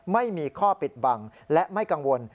ไม่มีข้อปิดบังและไม่กังวล